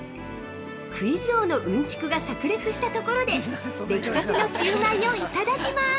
◆クイズ王のうんちくがさく裂したところで、出来たてのシウマイをいただきます！